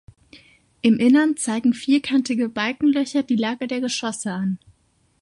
Im Innern zeigen vierkantige Balkenlöcher die Lage der Geschosse an.